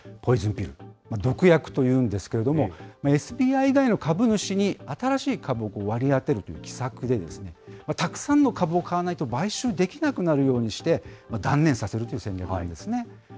そして買収防衛策、ポイズンピル、毒薬というんですけれども、ＳＢＩ以外の株主に新しい株を割り当てるという奇策で、たくさんの株を買わないと、買収できなくなるようにして、断念させるという戦略なんですね。